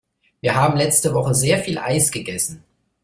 Wir haben letzte Woche sehr viel Eis gegessen.